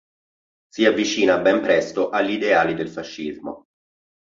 Si avvicina ben presto agli ideali del fascismo.